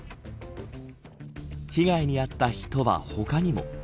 被害に遭った人は他にも。